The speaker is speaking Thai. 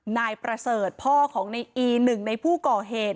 นายประเสริฐพ่อของในอีหนึ่งในผู้ก่อเหตุ